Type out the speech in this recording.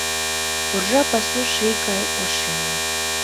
Уржа пасу ший гай ошемын.